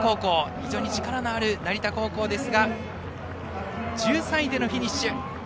非常に力のある成田高校ですが１３位でのフィニッシュ。